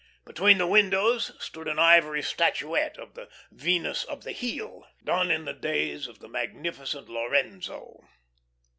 Between the windows stood an ivory statuette of the "Venus of the Heel," done in the days of the magnificent Lorenzo.